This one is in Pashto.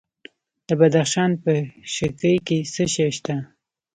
د بدخشان په شکی کې څه شی شته؟